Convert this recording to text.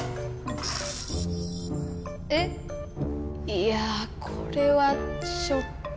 いやぁこれはちょっと。